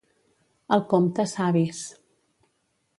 Al Comte, savis.